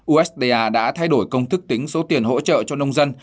usda đã thay đổi công thức tính số tiền hỗ trợ cho nông dân